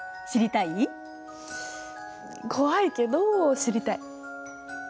怖いけど知りたい。